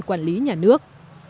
quản lý nhà nước